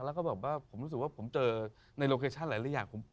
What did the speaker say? แล้วก็แบบว่าผมรู้สึกว่าผมเจอในโลเคชั่นหลายอย่าง